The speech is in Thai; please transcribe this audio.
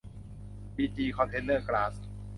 บีจี คอนเทนเนอร์ กล๊าส